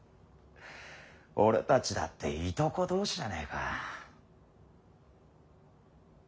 俺たちだっていとこ同士じゃねえか。